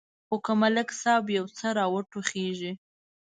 خو که ملک صاحب یو څه را وټوخېږي.